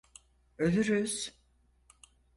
Ölürüz.